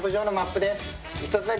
１つだけ。